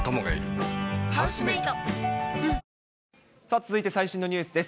続いて最新のニュースです。